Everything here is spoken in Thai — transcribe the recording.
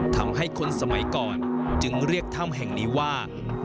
ทำให้คนสมัยก่อนจึงเรียกถ้ำแห่งนี้ว่า